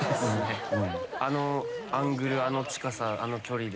あのアングル、あの近さあの距離で。